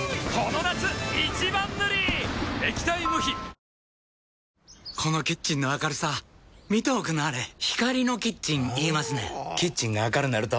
ＧｉｆｔｆｒｏｍｔｈｅＥａｒｔｈこのキッチンの明るさ見ておくんなはれ光のキッチン言いますねんほぉキッチンが明るなると・・・